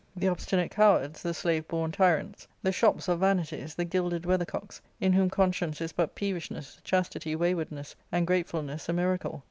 — Book III, 295 the obstinate cowards, the slave born tyrants, the shops of vanities, the gilded weathercocks, in whom conscience is but peevishness, chastity waywardness, and gratefulness a miracle.